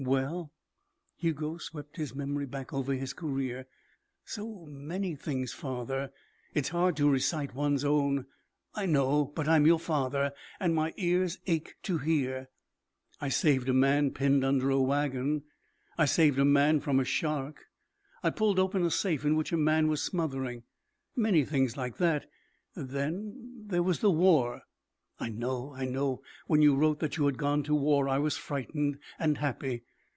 "Well " Hugo swept his memory back over his career "so many things, father. It's hard to recite one's own " "I know. But I'm your father, and my ears ache to hear." "I saved a man pinned under a wagon. I saved a man from a shark. I pulled open a safe in which a man was smothering. Many things like that. Then there was the war." "I know. I know. When you wrote that you had gone to war, I was frightened and happy.